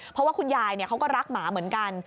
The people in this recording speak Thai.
เพราะว่าคุณยายเขาก็รักหมาเหมือนกัน